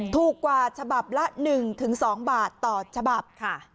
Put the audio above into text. ถูกกว่าฉบับละ๑๒บาทต่อฉบับค่ะ